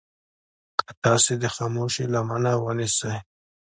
که تاسې د خاموشي لمنه ونيسئ.